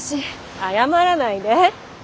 謝らないで。